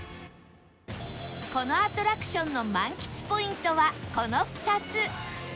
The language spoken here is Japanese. このアトラクションの満喫ポイントはこの２つ